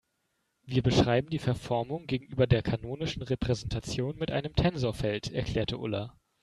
Wir beschreiben die Verformung gegenüber der kanonischen Repräsentation mit einem Tensorfeld, erklärte Ulla.